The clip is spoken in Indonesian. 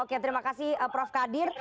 oke terima kasih prof kadir